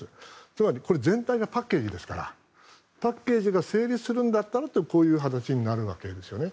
つまり全体がパッケージですからパッケージが成立するんだったらというこういう話になるわけですね。